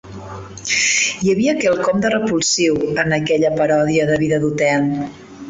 Hi havia quelcom de repulsiu en aquella paròdia de vida d'hotel